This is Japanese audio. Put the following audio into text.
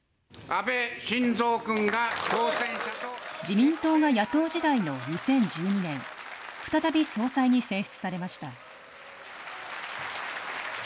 自民党が野党時代の２０１２年、再び総裁に選出されました。